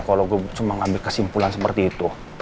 kalau gue cuma ngambil kesimpulan seperti itu